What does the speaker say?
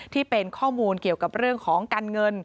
ที่เป็นข้อมูลเกี่ยวกับเรื่องของการเงิน